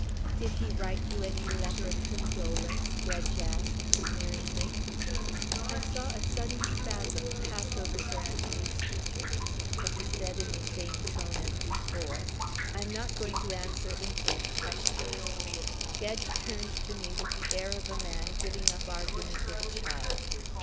"Did he write you any letter of condolence?" Gedge asked sneeringly. I saw a sudden spasm pass over Sir Anthony's features. But he said in the same tone as before: "I am not going to answer insolent questions." Gedge turned to me with the air of a man giving up argument with a child.